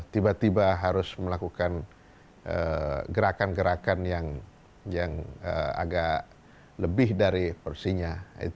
tiba tiba harus melakukan gerakan gerakan yang agak lebih dari porsinya